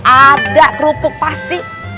ada kerupuk pasti